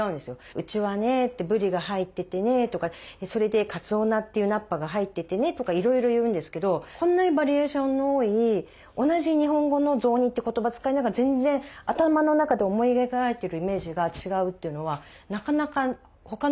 「うちはねぶりが入っててね」とかそれで「かつお菜っていう菜っ葉が入っててね」とかいろいろ言うんですけどこんなにバリエーションの多い同じ日本語の「雑煮」って言葉使いながら全然頭の中で思い描いてるイメージが違うっていうのはなかなか他の料理ではない。